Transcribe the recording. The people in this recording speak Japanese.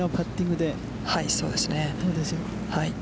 そうですね。